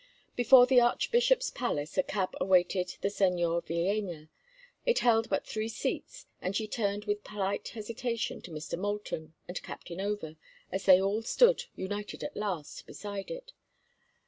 Before the archbishop's palace a cab awaited the Señora Villéna. It held but three seats, and she turned with polite hesitation to Mr. Moulton and Captain Over, as they all stood, united at last, beside it.